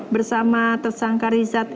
bersama tersangka rizat